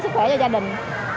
sức khỏe cho gia đình